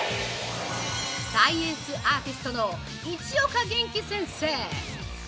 ◆サイエンスアーティストの市岡元気先生。